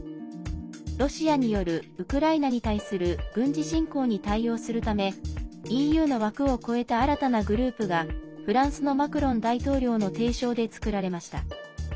ロシアによるウクライナに対する軍事侵攻に対応するためＥＵの枠を超えた新たなグループがフランスのマクロン大統領の提唱で作られました。